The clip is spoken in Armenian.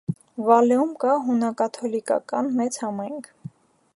Վալեում կա հունակաթոլիկական մեծ համայնք։